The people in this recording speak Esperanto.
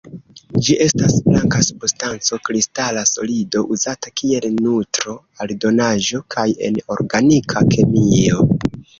Ĝi estas blanka substanco, kristala solido, uzata kiel nutro-aldonaĵo kaj en organika kemio.